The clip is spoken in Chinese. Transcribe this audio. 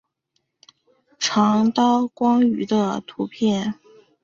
长刀光鱼的图片